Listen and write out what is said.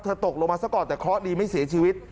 เธอตกลงมาสักก่อนแต่คล้อดีไม่เสียชีวิต